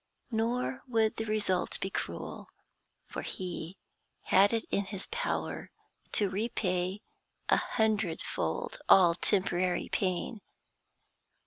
Nor would the result be cruel, for he had it in his power to repay a hundredfold all temporary pain.